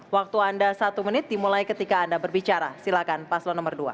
waktu anda satu menit dimulai ketika anda berbicara silakan paslon nomor dua